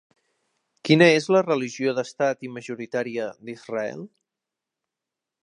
Quina és la religió d'Estat i majoritària d'Israel?